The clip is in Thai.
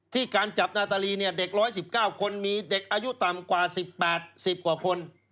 การจับนาตาลีเนี่ยเด็ก๑๑๙คนมีเด็กอายุต่ำกว่า๑๘๑๐กว่าคน